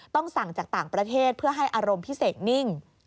ต้องสั่งจากต่างประเทศเพื่อให้อารมณ์พิเศษนิ่ง